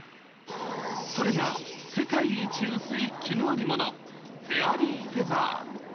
それが世界一薄い絹織物、フェアリーフェザー。